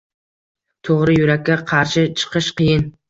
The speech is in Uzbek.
To`g`ri, yurakka qarshi chiqish qiyin